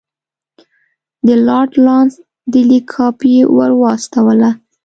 د لارډ لارنس د لیک کاپي ورواستوله.